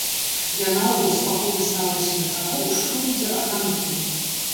Я наогул спакойна стаўлюся да таго, у што людзі апранутыя.